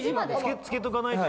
つけとかないと。